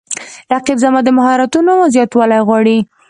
رقیب زما د مهارتونو زیاتوالی غواړي